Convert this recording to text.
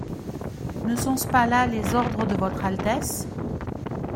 Ne sont-ce pas là les ordres de votre altesse ?